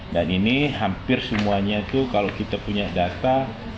dan ini hampir semuanya itu kalau kita punya data